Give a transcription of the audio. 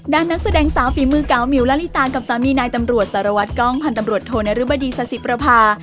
นักแสดงสาวฝีมือเก๋าหมิวลาลิตากับสามีนายตำรวจสารวัตรกล้องพันธ์ตำรวจโทนรุบดีซาสิประพา